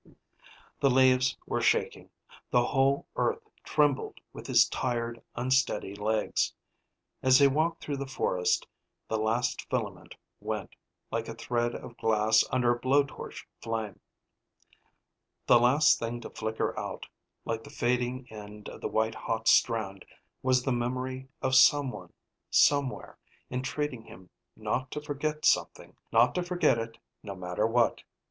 The leaves were shaking, the whole earth trembled with his tired, unsteady legs. As they walked through the forest, the last filament went, like a thread of glass under a blow torch flame. The last thing to flicker out, like the fading end of the white hot strand, was the memory of someone, somewhere, entreating him not to forget something, not to forget it no matter what ...